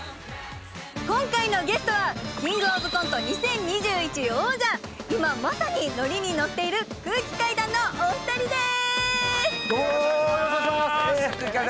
今回のゲストは「キングオブコント２０２１」王者今まさにノリにノッている空気階段のお二人です。